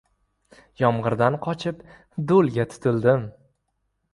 • Yomg‘irdan qochib, do‘lga tutildim.